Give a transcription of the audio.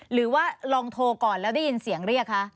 หรือว่าลองโทรก่อนแล้วได้ยินเสียงเรียกคะ